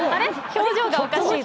表情がおかしい。